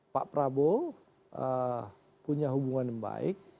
pak prabowo punya hubungan yang baik